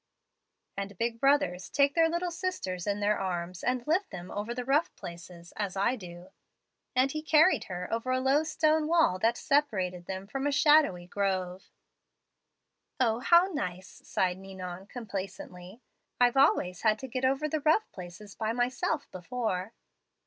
"'And big brothers take their little sisters in their arms and lift them over the rough places, as I do.' "And he carried her over a low stone wall that separated them from a shadowy grove. "'O, how nice!' sighed Ninon, complacently; 'I've always had to get over the rough places by myself before.'